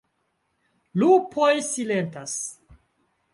Lupoj silentas.